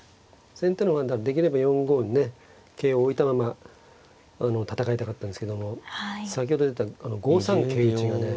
先手の方ができれば４五にね桂を置いたまま戦いたかったんですけども先ほど言った５三の桂打ちがね